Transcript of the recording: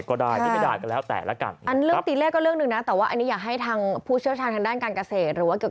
ก็ได้แก้ไขทันท่วงถือด้วย